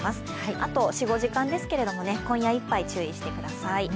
あと４５時間ですが今夜いっぱい注意してください。